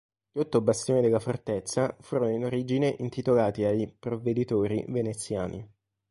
Gli otto bastioni della fortezza furono in origine intitolati ai "provveditori" veneziani.